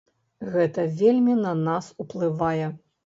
Гэта вельмі на нас уплывае.